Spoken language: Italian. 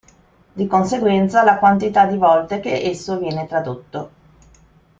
Di conseguenza la quantità di volte che esso viene tradotto.